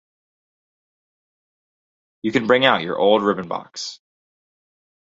You can bring out your old ribbon-box.